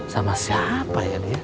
sama siapa ya dia